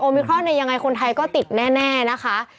มิครอนยังไงคนไทยก็ติดแน่นะคะ